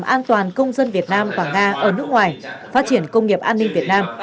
an toàn công dân việt nam và nga ở nước ngoài phát triển công nghiệp an ninh việt nam